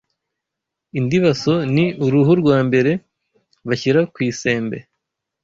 Indibaso ni uruhu rwa mbere bashyira ku isembe